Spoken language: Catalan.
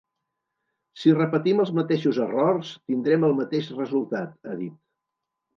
Si repetim els mateixos errors, tindrem el mateix resultat, ha dit.